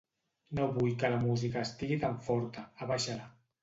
No vull que la música estigui tan forta, abaixa-la.